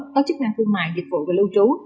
có chức năng thương mại dịch vụ về lưu trú